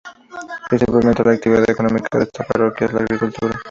Principalmente la actividad económica de está parroquia es la agricultura.